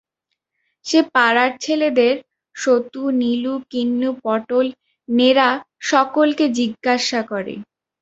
সে পাড়ার ছেলেদের-সতু, নীলু, কিন্নু, পটল, নেড়াসকলকে জিজ্ঞাসা করে।